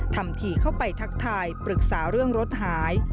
ทำทีเข้าไปทักทายปรึกษาเรื่องรถหาย